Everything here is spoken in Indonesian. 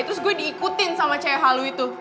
terus gue diikutin sama cewek halu itu